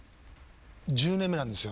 １０年目なんですよ。